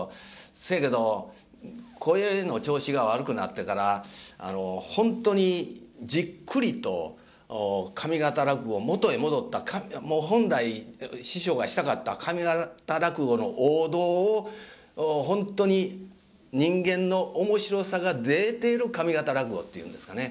せやけど声の調子が悪くなってからほんとにじっくりと上方落語を元へ戻ったもう本来師匠がしたかった上方落語の王道をほんとに人間の面白さが出てる上方落語っていうんですかね